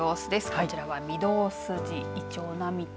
こちらは御堂筋イチョウ並木。